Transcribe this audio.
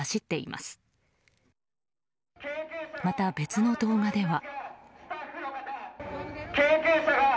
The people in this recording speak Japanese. また、別の動画では。